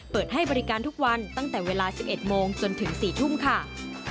เปิดให้บริการทุกวันตั้งแต่เวลา๑๑โมงจนถึง๔ทุ่มค่ะ